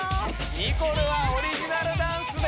ニコルはオリジナルダンスで。